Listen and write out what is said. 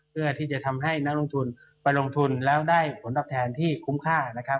เพื่อที่จะทำให้นักลงทุนไปลงทุนแล้วได้ผลตอบแทนที่คุ้มค่านะครับ